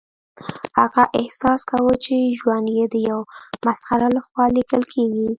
هغه احساس کاوه چې ژوند یې د یو مسخره لخوا لیکل کیږي